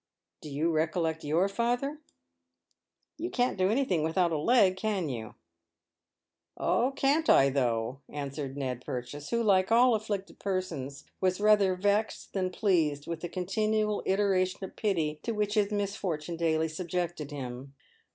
Do you recollect your father ?" "You can't do any thing without a leg, can you?" e2 52 PAVED WITH GOLD. " Oh, can't I though !" answered Ned Purchase, who, like all afflicted persons, was rather vexed than pleased with the continual iteration of pity to which his misfortune daily subjected him.